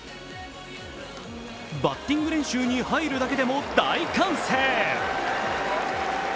バッティング練習に入るだけでも大歓声。